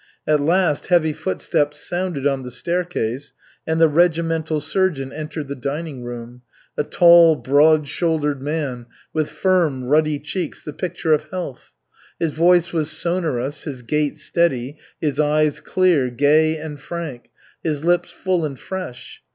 At last heavy footsteps sounded on the staircase, and the regimental surgeon entered the dining room, a tall, broad shouldered man, with firm, ruddy cheeks, the picture of health. His voice was sonorous, his gait steady, his eyes clear, gay and frank, his lips full and fresh.